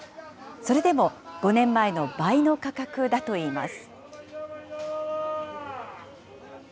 それでも５年前の倍の価格だといいます。